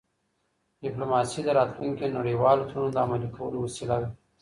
ډيپلوماسي د راتلونکي نړیوالو تړونونو د عملي کولو وسیله ده.